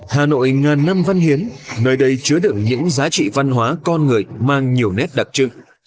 hà nội ngàn năm văn hiến nơi đây chứa được những giá trị văn hóa con người mang nhiều nét đặc trưng